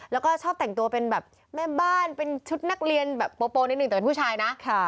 แล้วก็ชอบแต่งตัวเป็นแบบแม่บ้านเป็นชุดนักเรียนแบบโปนิดนึงแต่เป็นผู้ชายนะ